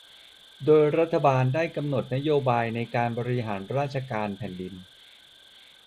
โดยรัฐบาลได้กำหนดนโยบายในการบริหารราชการแผ่นดิน